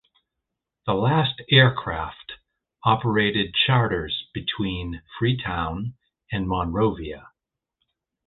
The last aircraft operated charters between Freetown and Monrovia.